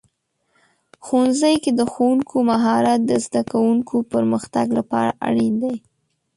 ښوونځي کې د ښوونکو مهارت د زده کوونکو پرمختګ لپاره اړین دی.